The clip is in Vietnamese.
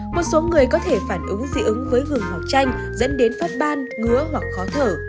một số người có thể phản ứng dị ứng với gừng hoặc chanh dẫn đến phát ban ngứa hoặc khó thở